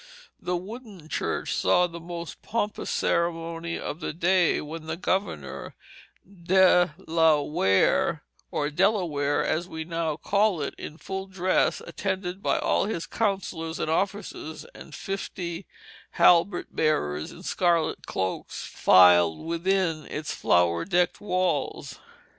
The wooden church saw the most pompous ceremony of the day when the governor, De La Warre, or Delaware as we now call it, in full dress, attended by all his councillors and officers and fifty halbert bearers in scarlet cloaks, filed within its flower decked walls.